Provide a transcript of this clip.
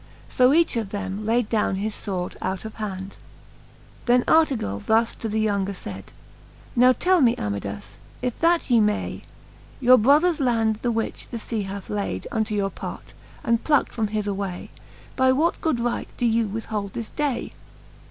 So each of them layd downe his fword out of his hand. XVII. Then Artegall thus to the younger fayd ; Now tell me, Amidas^ if that ye may, Your brothers land, the which the lea hath layd Unto your part, and pluckt from his away. By what good right doe you withhold this day